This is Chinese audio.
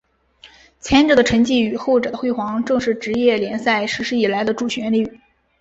前者的沉寂与后者的辉煌正是职业联赛实施以来的主旋律。